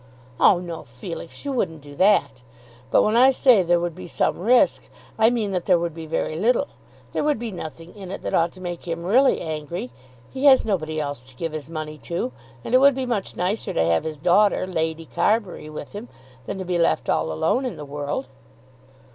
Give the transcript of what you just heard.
"Oh no, Felix; you wouldn't do that. But when I say there would be some risk I mean that there would be very little. There would be nothing in it that ought to make him really angry. He has nobody else to give his money to, and it would be much nicer to have his daughter, Lady Carbury, with him, than to be left all alone in the world."